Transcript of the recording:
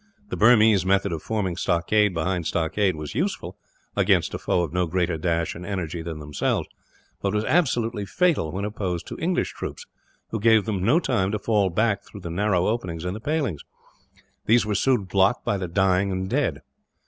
The Burmese method of forming stockade behind stockade was useful, against a foe of no greater dash and energy than themselves; but was absolutely fatal when opposed to English troops, who gave them no time to fall back through the narrow openings in the palings. These were soon blocked by the dying and dead.